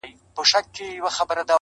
لکه ول ستوري داسمان داسي راڼه ملګري,